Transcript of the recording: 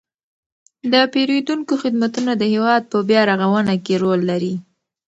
د پیرودونکو خدمتونه د هیواد په بیارغونه کې رول لري.